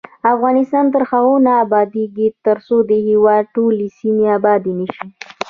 افغانستان تر هغو نه ابادیږي، ترڅو د هیواد ټولې سیمې آبادې نه شي.